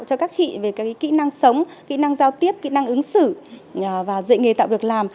cho các chị về các kỹ năng sống kỹ năng giao tiếp kỹ năng ứng xử và dạy nghề tạo việc làm